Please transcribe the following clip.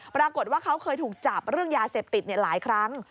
ปรากฏว่าเขาเคยถูกจับเรื่องยาเสพติดหลายครั้ง